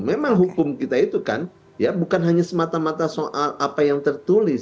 memang hukum kita itu kan bukan hanya semata mata soal apa yang tertulis